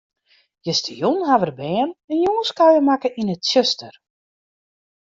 Justerjûn hawwe de bern in jûnskuier makke yn it tsjuster.